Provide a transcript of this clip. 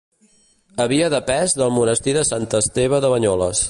Havia depès del Monestir de Sant Esteve de Banyoles.